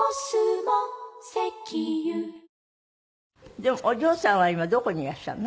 でもお嬢さんは今どこにいらっしゃるの？